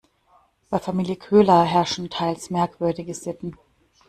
Bei Familie Köhler herrschen teils merkwürdige Sitten.